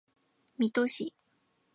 水戸市